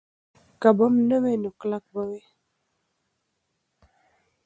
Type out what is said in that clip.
که بم نه وای، نو کلک به وای.